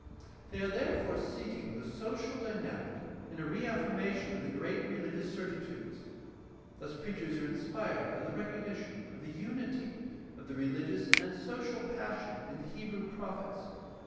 They are therefore seeking the social dynamic PRACTICAL THEOLOGY 589 in a reaffirmation of the great religious certitudes. Thus preachers are inspired by the recognition of the unity of the religious and social passion in the Hebrew prophets.